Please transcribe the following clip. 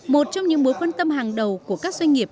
một trong những mối quan tâm hàng đầu của các doanh nghiệp